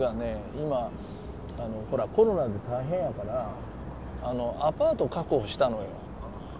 今ほらコロナで大変やからあのアパートを確保したのよ。